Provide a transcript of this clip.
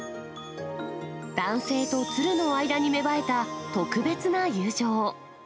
男性と鶴の間に芽生えた特別な友情。